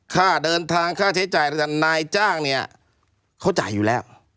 ค่าเดินทางค่าใช้จ่ายนายจ้างเนี่ยเขาจ่ายอยู่แล้ว